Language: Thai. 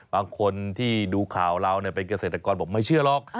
บางคนที่ดูข่าวเราเป็นเกษตรกรบอกไม่เชื่อหรอก